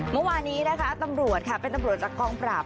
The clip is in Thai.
เมื่อวานนี้นะคะตำรวจค่ะเป็นตำรวจจากกองปราบ